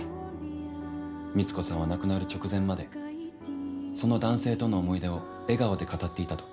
光子さんは亡くなる直前までその男性との思い出を笑顔で語っていたと。